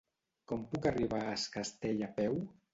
Com puc arribar a Es Castell a peu?